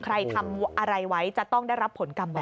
ใครทำอะไรไว้จะต้องได้รับผลกรรมแบบนี้